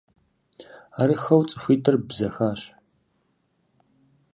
Арыххэу цӀыхуитӏыр бзэхащ.